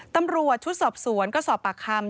ตำรวจชุดสอบสวนก็สอบปากคำ